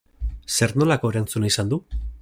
Zer nolako erantzuna izan du?